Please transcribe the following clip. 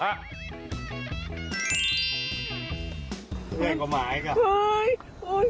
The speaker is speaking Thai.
ใหญ่กว่าหมาอีก